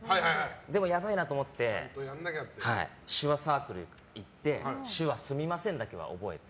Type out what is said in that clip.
でもやばいなと思って手話サークルに行って手話、すみませんだけは覚えて。